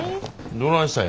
どないしたんや？